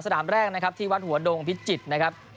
แรกนะครับที่วัดหัวดงพิจิตรนะครับ